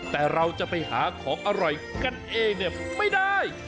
แต่เราจะไปหาของอร่อยกันเองเนี่ยไม่ได้